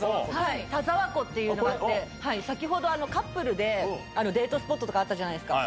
田沢湖っていう、先ほど、カップルでデートスポットとかあったじゃないですか。